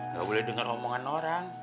gak boleh denger omongan orang